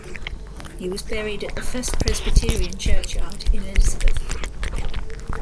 He was buried at the First Presbyterian Churchyard in Elizabeth.